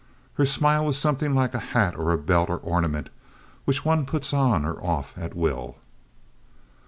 Her smile was something like a hat or belt or ornament which one puts on or off at will.